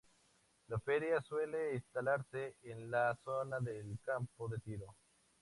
La feria suele instalarse en la zona del Campo de Tiro.